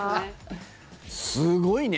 すごいね。